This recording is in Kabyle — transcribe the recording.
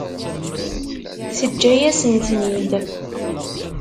Teǧǧa-yasen-ten-id.